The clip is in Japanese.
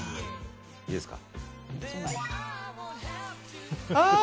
いいですか？